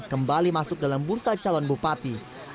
kembali masuk dalam bursa calon bupati